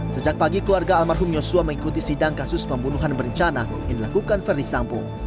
sejak pagi keluarga almarhum yosua mengikuti sidang kasus pembunuhan berencana yang dilakukan verdi sampo